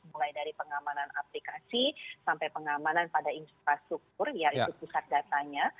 mulai dari pengamanan aplikasi sampai pengamanan pada infrastruktur yaitu pusat datanya